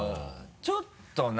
ちょっとな。